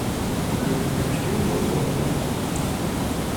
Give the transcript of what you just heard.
Le plus vieux d’entre nous.